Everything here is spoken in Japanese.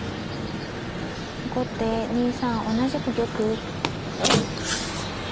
後手２三同じく玉。